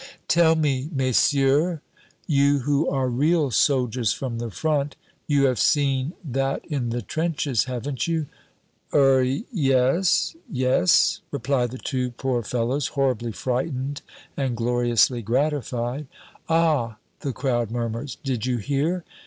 "Tell me, messieurs, you who are real soldiers from the front, you have seen that in the trenches, haven't you?" "Er yes yes," reply the two poor fellows, horribly frightened and gloriously gratified. "Ah!" the crowd murmurs, "did you hear?